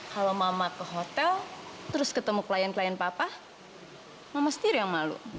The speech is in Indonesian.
kalau mama ke hotel terus ketemu klien klien papa mama setir yang malu